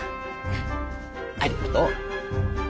ありがとう。